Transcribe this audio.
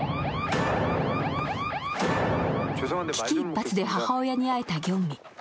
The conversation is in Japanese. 危機一髪で母親に会えたギョンミ。